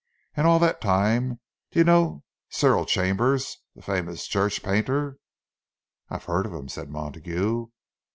And all that time—do you know Cyril Chambers, the famous church painter?" "I've heard of him," said Montague.